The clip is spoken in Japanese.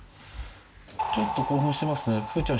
ちょっと興奮してますね風ちゃん